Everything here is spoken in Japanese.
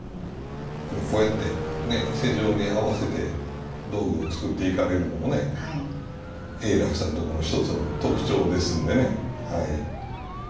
こうやってね世情に合わせて道具を作っていかれるのもね永樂さんとこの一つの特徴ですんでねはい。